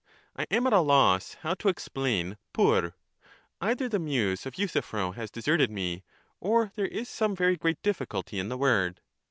I am at a loss how to explain vp ; either the muse of "*'"''■ Euthyphro has deserted me, or there is some very great difficulty in the word.